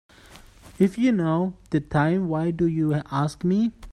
If you know the time why do you ask me?